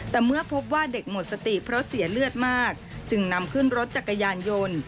แต่เมื่อพบว่าเด็กหมดสติเพราะเสียเลือดมากจึงนำขึ้นรถจักรยานยนต์